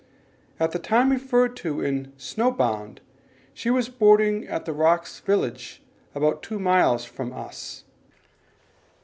At the time referred to in Snow Bound she was boarding at the Rocks Village about two miles from us.